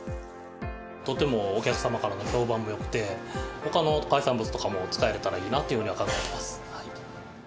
とてもお客様からの評判もよくて、ほかの海産物とかも使えれたらいいなというふうには考えています。